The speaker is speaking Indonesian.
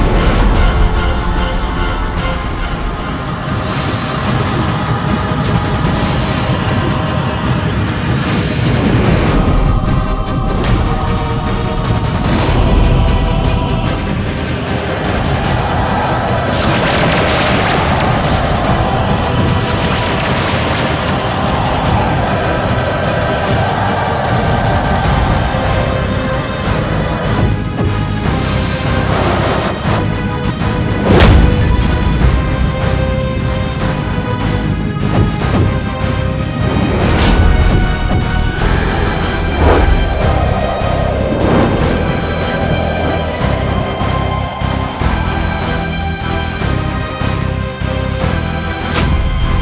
untuk membuka cadar kalian